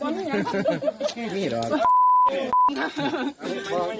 โอ้โฮเดี๋ยว